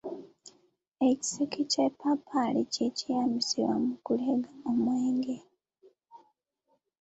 Ekiseke ky'eppaapaali kye kyeyambisibwa mu kulega omwenge.